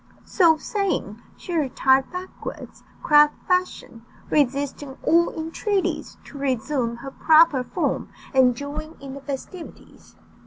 So saying, she retired backwards, crab fashion, resisting all entreaties to resume her proper form and join in the festivities.